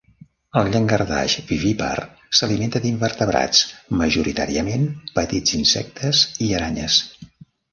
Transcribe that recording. El llangardaix vivípar s'alimenta d'invertebrats, majoritàriament petits insectes i aranyes.